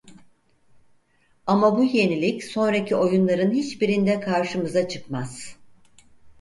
Ama bu yenilik sonraki oyunların hiçbirinde karşımıza çıkmaz.